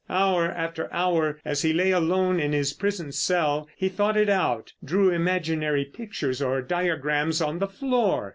Hour after hour as he lay alone in his prison cell he thought it out, drew imaginary pictures or diagrams on the floor.